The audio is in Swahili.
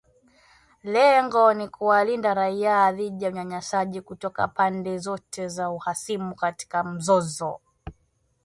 Lengo ni kuwalinda raia dhidi ya unyanyasaji kutoka pande zote za uhasimu katika mzozo